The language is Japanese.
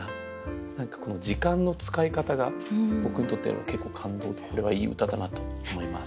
何かこの時間の使い方が僕にとっては結構感動でこれはいい歌だなと思います。